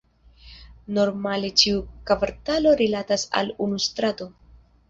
Normale ĉiu kvartalo rilatas al unu strato.